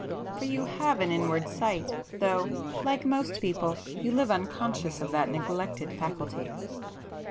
For you have an inward sight,—though like most people, you live unconscious of that neglected faculty."